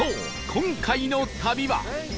今回の旅は